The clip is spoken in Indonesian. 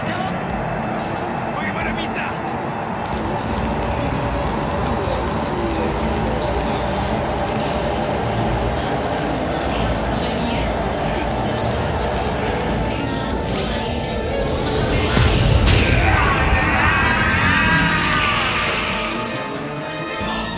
aku merindasi lo bayang